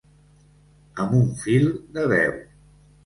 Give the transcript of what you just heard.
Amb un fil de veu.